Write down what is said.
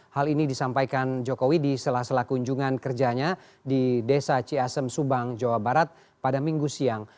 hal ini disampaikan jokowi di sela sela kunjungan kerjanya di desa ciasem subang jawa barat pada minggu siang